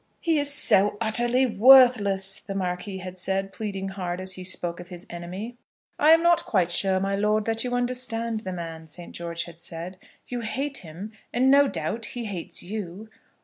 "He is so utterly worthless," the Marquis had said, pleading hard as he spoke of his enemy. "I'm not quite sure, my lord, that you understand the man," St. George had said. "You hate him, and no doubt he hates you."